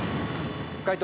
解答